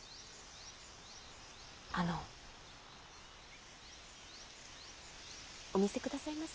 あのお見せくださいませ。